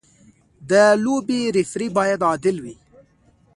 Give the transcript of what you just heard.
د لوبې ریفري باید عادل وي.